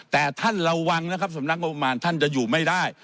แต่ท่านระวังนะครับสำนักงบประมาณท่านจะอยู่ไม่ได้